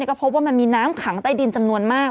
ก็พบว่ามันมีน้ำขังใต้ดินจำนวนมาก